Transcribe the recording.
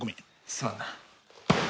すまんな。